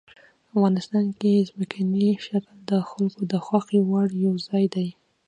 افغانستان کې ځمکنی شکل د خلکو د خوښې وړ یو ځای دی.